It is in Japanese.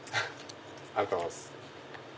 ありがとうございます。